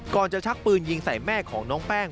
จะชักปืนยิงใส่แม่ของน้องแป้ง